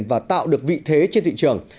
và tạo được vị thế trên thị trường